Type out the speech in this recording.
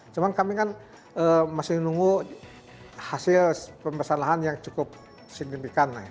cuma kami kan masih menunggu hasil pembebasan lahan yang cukup signifikan